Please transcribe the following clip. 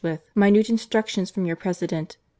minute instmctions from yoor President.